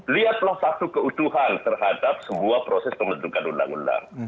lihatlah satu keutuhan terhadap semua proses pembentukan undang undang